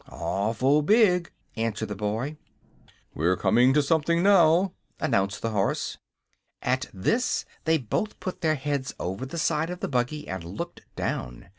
"Awful big!" answered the boy. "We're coming to something now," announced the horse. At this they both put their heads over the side of the buggy and looked down.